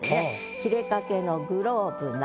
「切れかけのグローブ眺